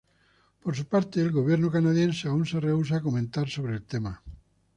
Por su parte, el gobierno canadiense aún se rehúsa a comentar sobre el tema.